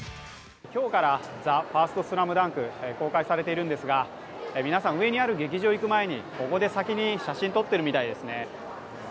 今日から「ＴＨＥＦＩＲＳＴＳＬＡＭＤＵＮＫ」公開されているんですが皆さん、上にある劇場に行く前にここで写真を撮っているみたいですね。